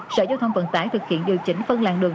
sở giao thông vận tải thực hiện điều chỉnh phân làng đường